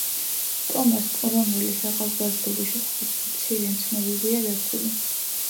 ტომას კრომველის ახალგაზრდობის შესახებ მცირე ცნობებია დაცული.